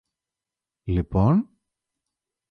Λοιπόν;